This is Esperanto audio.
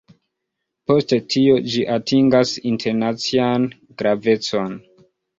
Post tio ĝi atingas internacian gravecon.